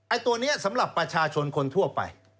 ตัวนี้สำหรับประชาชนคนทั่วไป